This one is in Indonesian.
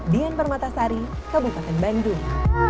dian permatasari kabupaten bandung